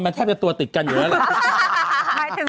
มันแทบจะตัวติดกันอยู่แล้วล่ะ